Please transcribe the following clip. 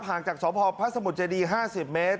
ห่างจากสมภพพระสมุทรเจดี๕๐เมตร